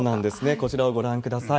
こちらをご覧ください。